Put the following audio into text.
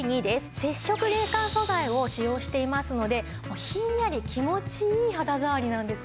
接触冷感素材を使用していますのでひんやり気持ちいい肌触りなんです。